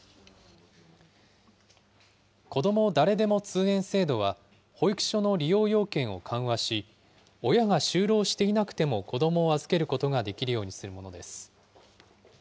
こども誰でも通園制度は、保育所の利用要件を緩和し、親が就労していなくても子どもを預けることができるようにするものです。